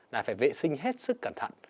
là phải vệ sinh hết sức cẩn thận